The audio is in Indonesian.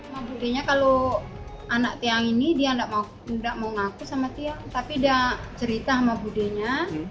sama budenya kalau anak tiang ini dia nggak mau ngaku sama tiang tapi dia cerita sama budenya